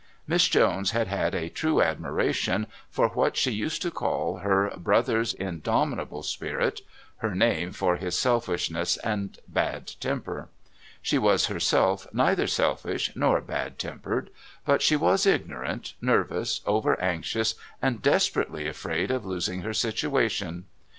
Miss Jones had had a true admiration for what she used to call "her brother's indomitable spirit," her name for his selfishness and bad temper. She was herself neither selfish nor bad tempered, but she was ignorant, nervous, over anxious, and desperately afraid of losing her situation.